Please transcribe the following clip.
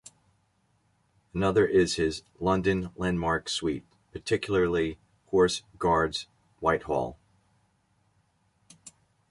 Another is his "London Landmarks Suite", particularly "Horse Guards, Whitehall".